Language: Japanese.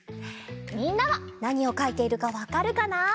みんなはなにをかいているかわかるかな？